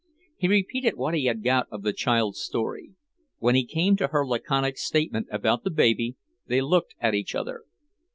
He repeated what he had got of the child's story. When he came to her laconic statement about the baby, they looked at each other.